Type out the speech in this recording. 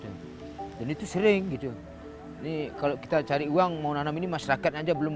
itu dan itu sering gitu ini kalau kita cari uang mau nanam ini masyarakat aja belum